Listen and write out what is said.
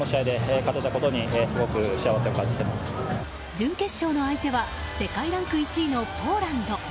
準決勝の相手は世界ランク１位のポーランド。